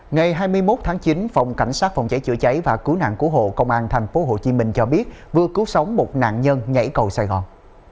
ngày hai mươi một tháng chín phòng cảnh sát phòng cháy chữa cháy và cứu nạn cứu hộ công an tp hcm cho biết vừa cứu sống một nạn nhân nhảy cầu sài gòn